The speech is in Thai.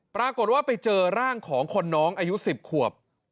ปรากฏว่าไปเจอร่างของคนน้องอายุ๑๐ขวบ